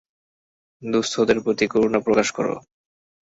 দুঃস্থদের প্রতি করুণা প্রকাশ কর।